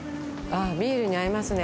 ビールに合いますね。